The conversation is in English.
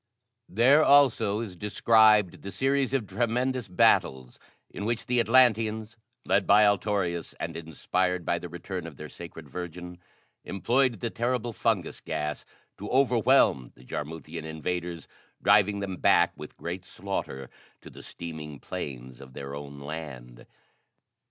There, also, is described the series of tremendous battles in which the Atlanteans, led by Altorius and inspired by the return of their Sacred Virgin, employed the terrible fungus gas to overwhelm the Jarmuthian invaders, driving them back with great slaughter to the steaming plains of their own land.